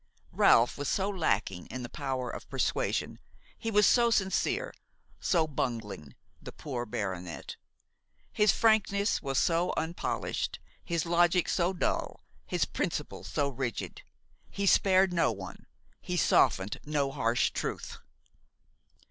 Ralph was so lacking in the power of persuasion, he was so sincere, so bungling, the poor baronet! his frankness was so unpolished, his logic so dull, his principles so rigid! He spared no one, he softened no harsh truth.